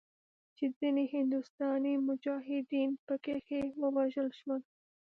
چې ځینې هندوستاني مجاهدین پکښې ووژل شول.